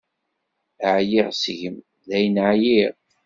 Ɛyiɣ seg-m, dayen ɛyiɣ.